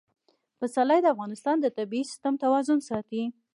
پسرلی د افغانستان د طبعي سیسټم توازن ساتي.